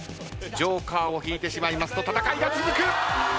ＪＯＫＥＲを引いてしまいますと戦いが続く！